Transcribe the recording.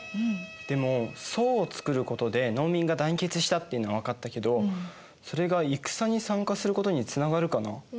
でも惣を作ることで農民が団結したっていうのは分かったけどそれが戦に参加することにつながるかな？